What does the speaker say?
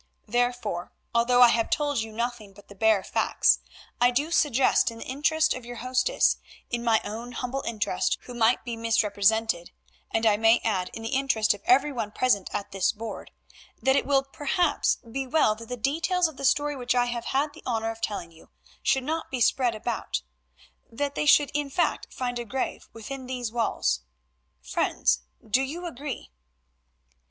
Therefore, although I have told you nothing but the bare facts, I do suggest in the interests of your hostess—in my own humble interest who might be misrepresented, and I may add in the interest of every one present at this board—that it will perhaps be well that the details of the story which I have had the honour of telling you should not be spread about—that they should in fact find a grave within these walls. Friends, do you agree?"